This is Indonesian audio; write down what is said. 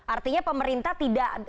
artinya pemerintah tidak